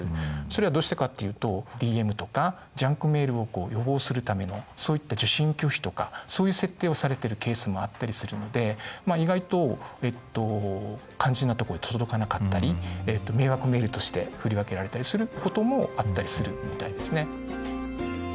それはどうしてかっていうとそういった受信拒否とかそういう設定をされてるケースもあったりするので意外と肝心なとこで届かなかったり迷惑メールとして振り分けられたりすることもあったりするみたいですね。